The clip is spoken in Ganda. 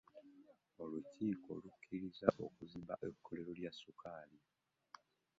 Olukiika lukkirizza okuzimba ekkolero lya sukali.